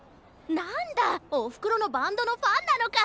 なんだおふくろのバンドのファンなのか。